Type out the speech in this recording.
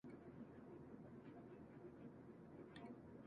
近くで見ると違うね、と君は言った。首を真上に向けて、鉄塔を見上げながら。